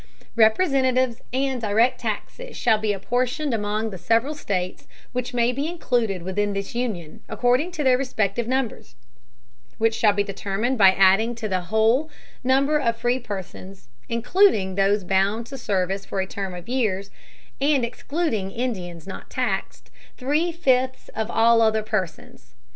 Representatives and direct Taxes shall be apportioned among the several States which may be included within this Union, according to their respective numbers, which shall be determined by adding to the whole Number of free Persons, including those bound to Service for a Term of Years, and excluding Indians not taxed, three fifths of all other Persons.